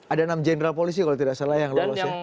ada enam jenderal polisi kalau tidak salah yang lolos ya